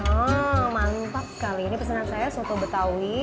oh mantap kali ini pesanan saya soto betawi